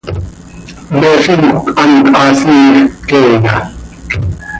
¿Me zímjöc hant haa siimjc queeya?